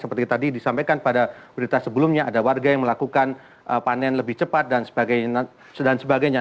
seperti tadi disampaikan pada berita sebelumnya ada warga yang melakukan panen lebih cepat dan sebagainya